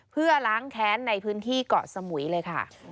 เพื่อล้างแค้นในพื้นที่เกาะสมุยเลยค่ะ